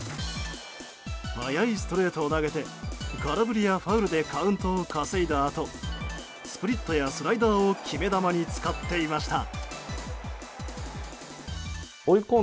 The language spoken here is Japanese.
速いストレートを投げて空振りやファウルでカウントを稼いだあとスプリットやスライダーを決め球に使っていました。